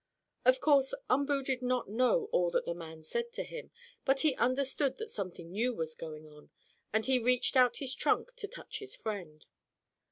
Of course Umboo did not know all that the man said to him, but he understood that something new was going on, and he reached out his trunk to touch his friend.